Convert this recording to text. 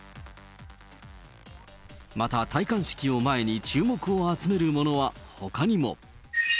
また、戴冠式を前に注目を集めるものはほかにも。